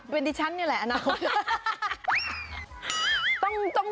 เป็นดิฉันนี่แหละอนาคตเยอะ